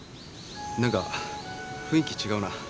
何か雰囲気違うな。